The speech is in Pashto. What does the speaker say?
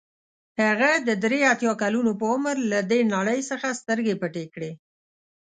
هغه د درې اتیا کلونو په عمر له دې نړۍ څخه سترګې پټې کړې.